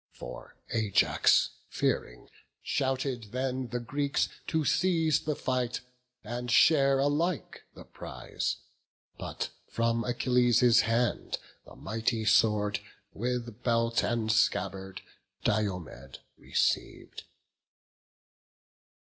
For Ajax fearing, shouted then the Greeks To cease the fight, and share alike the prize; But from Achilles' hand the mighty sword, With belt and scabbard, Diomed receiv'd.